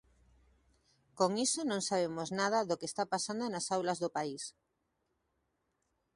Con iso non sabemos nada do que está pasando nas aulas do país.